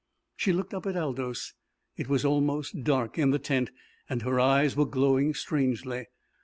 She looked up at Aldous. It was almost dark in the tent, and her eyes were glowing strangely.